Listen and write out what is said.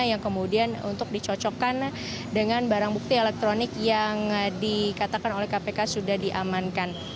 yang kemudian untuk dicocokkan dengan barang bukti elektronik yang dikatakan oleh kpk sudah diamankan